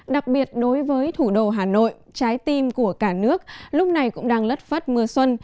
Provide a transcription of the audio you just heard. đặc biệt đối với thủ đô hà nội trái tim của cả nước lúc này cũng đang lất phất mưa xuân